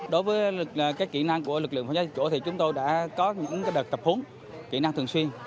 đối với kỹ năng của lực lượng phòng cháy chỗ thì chúng tôi đã có những đợt tập huấn kỹ năng thường xuyên